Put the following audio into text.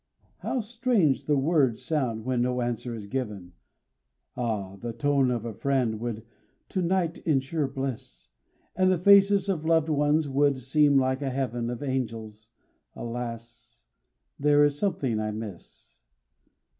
How strange the words sound when no answer is given, Ah! the tone of a friend would to night insure bliss, And the faces of loved ones would seem like a heaven Of angels, alas! there is something I miss.